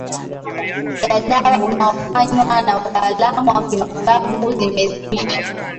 ya dawa unaofanywa na wataalamu wa kimatabibu zimezidisha